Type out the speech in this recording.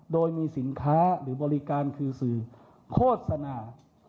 โดยมีสินค้าหรือบริการคือสื่อโฆษณา